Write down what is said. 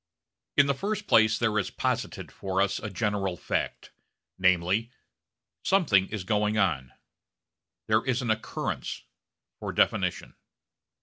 In the first place there is posited for us a general fact: namely, something is going on; there is an occurrence for definition.